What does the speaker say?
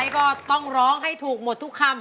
ก็ต้องร้องให้ถูกหมดทุกคำ